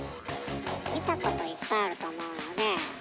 見たこといっぱいあると思うので。